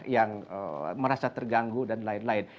yang merasa terganggu dan lain lain